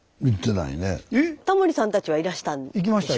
タモリさんたちはいらしたんでしょ？